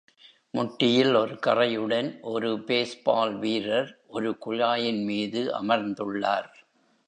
முட்டியில் ஒரு கறையுடன் ஒரு பேஸ்பால் வீரர் ஒரு குழாயின்மீது அமர்ந்துள்ளார்.